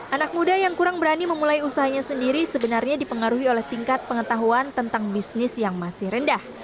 anak muda yang kurang berani memulai usahanya sendiri sebenarnya dipengaruhi oleh tingkat pengetahuan tentang bisnis yang masih rendah